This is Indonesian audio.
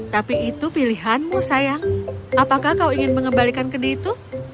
tapi itu pilihanmu sayang apakah kau ingin mengembalikan kendi itu